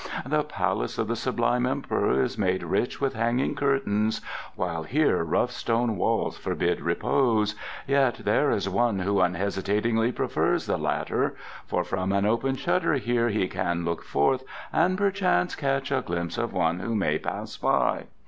The palace of the sublime Emperor is made rich with hanging curtains. While here rough stone walls forbid repose. Yet there is one who unhesitatingly prefers the latter; For from an open shutter here he can look forth, And perchance catch a glimpse of one who may pass by.